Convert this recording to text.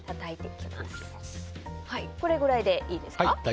これぐらいでいいですか。